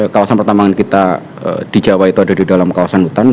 kawasan pertambangan kita di jawa itu ada di dalam kawasan hutan